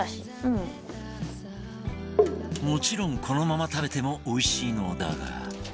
もちろんこのまま食べてもおいしいのだが